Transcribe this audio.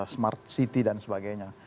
smart city dan sebagainya